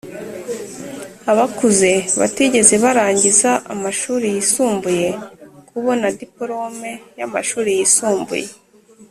abakuze batigeze barangiza amashuri yisumbuye kubona diporome y amashuri yisumbuye